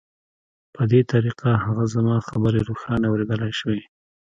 په دې طریقه هغه زما خبرې روښانه اورېدلای شوې